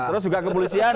terus juga kepolisian